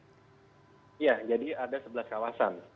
iya jadi ada sebelas kawasan